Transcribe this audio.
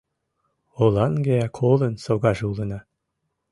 Оланге колын согаже улына.